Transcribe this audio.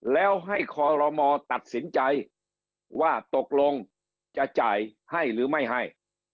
แล้วให้คอรมอตัดสินใจว่าตกลงจะจ่ายให้หรือไม่ให้